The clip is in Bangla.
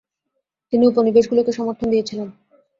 তিনি উপনিবেশগুলোকে সমর্থন দিয়েছিলেন।